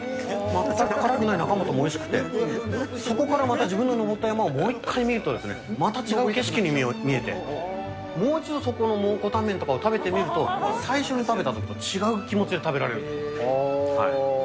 全く辛くない中本もおいしくて、そこからまた自分の登った山をもう一回見ると、また違う景色に見えて、もう一度そこの蒙古タンメンとかを食べてみると、最初に食べたときと違う気持ちで食べられる。